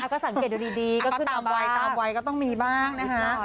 ก็สังเกตดีก็ขึ้นมาบ้างตามวัยก็ต้องมีบ้างนะฮะ